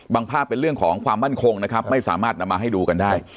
ภาพเป็นเรื่องของความมั่นคงนะครับไม่สามารถนำมาให้ดูกันได้